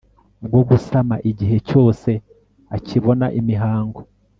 bwo gusama igihe cyose akibona imihango